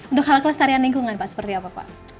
untuk hal kelestarian lingkungan pak seperti apa pak